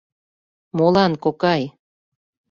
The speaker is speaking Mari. — Молан, кокай?